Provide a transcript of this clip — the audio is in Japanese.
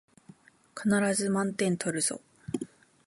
必ず満点取るぞ